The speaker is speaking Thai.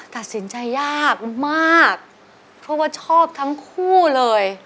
ตัดสินใจยากมากเพราะว่าชอบทั้งคู่เลย